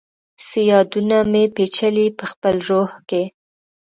څه یادونه مي، پیچلي پخپل روح کي